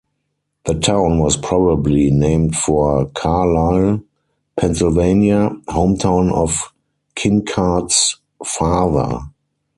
The town was probably named for Carlisle, Pennsylvania, hometown of Kincart's father.